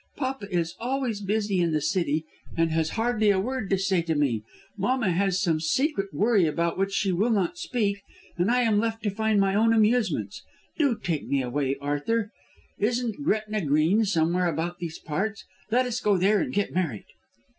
Papa is always busy in the City and has hardly a word to say to me; mamma has some secret worry about which she will not speak, and I am left to find my own amusements. Do take me away, Arthur. Isn't Gretna Green somewhere about these parts? Let us go there and get married."